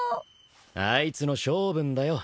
あいつの性分だよ性分。